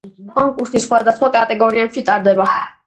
კონკურსი სხვადასხვა კატეგორიებში ტარდება.